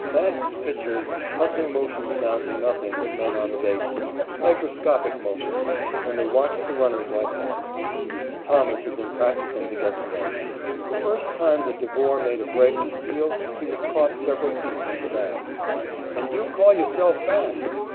Mack's pitchers cut their motions down to nothing with men on the bases, microscopic motions, and they watched the runners like hawks. Thomas had been practising to get the men. The first time that Devore made a break to steal, he was caught several feet from the bag. "And you call yourself fast!"